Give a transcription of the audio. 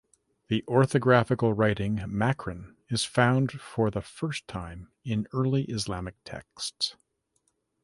The orthographical writing Makran is found for the first time in early Islamic texts.